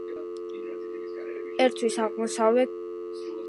ერთვის აღმოსავლეთ ციმბირის ზღვას.